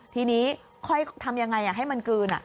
ทีนี้ค่อยทำยังไงให้มันกลืน